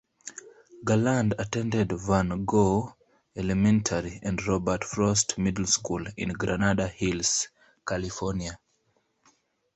Garland attended Van Gogh Elementary and Robert Frost Middle School in Granada Hills, California.